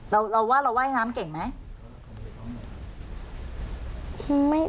เราว่าเราว่ายน้ำเก่งไหม